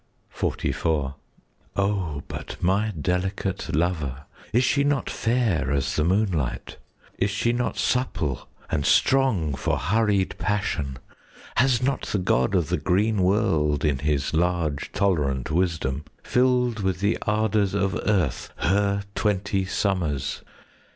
XLIV O but my delicate lover, Is she not fair as the moonlight? Is she not supple and strong For hurried passion? Has not the god of the green world, 5 In his large tolerant wisdom, Filled with the ardours of earth Her twenty summers?